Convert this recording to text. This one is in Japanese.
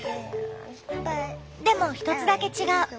でも１つだけ違う。